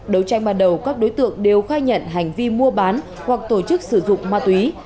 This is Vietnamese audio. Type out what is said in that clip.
đấu tranh ban đầu các đối tượng đều khai nhận hành vi mua bán hoặc tổ chức sử dụng ma túy